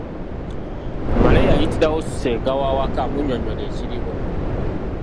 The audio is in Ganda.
Male yayitirawo ssenga w'awaka amunnyonnyole ekiriwo.